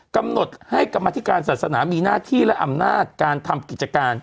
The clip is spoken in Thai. กำหนดให้กรรมธิการศาสนามีหน้าที่และอำนาจการทำกิจการ